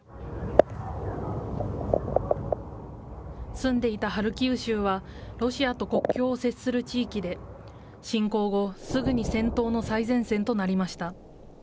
住んでいたハルキウ州は、ロシアと国境を接する地域で、侵攻後、すぐに戦闘の最前線となりました。